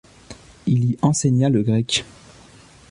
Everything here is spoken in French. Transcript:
Il y enseigna le grec.